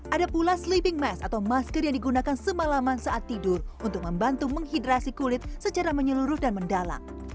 ada pula sleeping mask atau masker yang digunakan semalaman saat tidur untuk membantu menghidrasi kulit secara menyeluruh dan mendalam